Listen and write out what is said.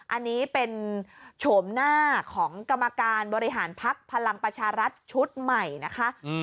อันนี้เป็นโฉมหน้าของกรรมการบริหารพักพลังประชารัฐชุดใหม่นะคะ